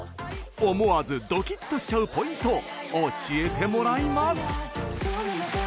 思わずドキッとしちゃうポイント教えてもらいます！